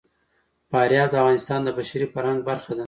فاریاب د افغانستان د بشري فرهنګ برخه ده.